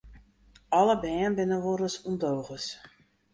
Alle bern binne wolris ûndogens.